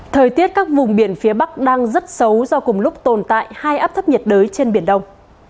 thời tiết các vùng biển phía bắc đang rất xấu do cùng lúc tồn tại hai áp thấp nhiệt đới trên biển đông